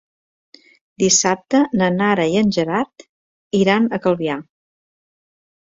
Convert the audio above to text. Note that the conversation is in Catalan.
Dissabte na Nara i en Gerard iran a Calvià.